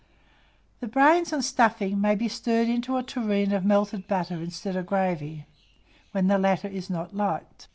The brains and stuffing may be stirred into a tureen of melted butter instead of gravy, when the latter is not liked.